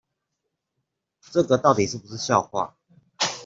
這到底是不是個笑話